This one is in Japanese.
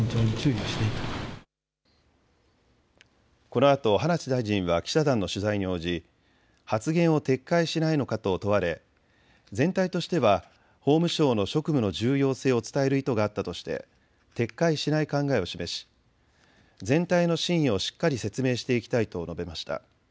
このあと葉梨大臣は記者団の取材に応じ発言を撤回しないのかと問われ全体としては法務省の職務の重要性を伝える意図があったとして撤回しない考えを示し、全体の真意をしっかり説明していきたいと述べました。